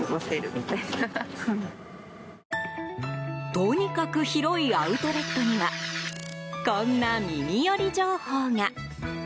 とにかく広いアウトレットにはこんな耳寄り情報が。